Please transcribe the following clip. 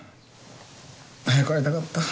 早く会いたかった。